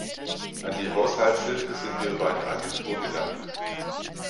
An die Haushaltshilfe sind wir über eine Agentur gelangt.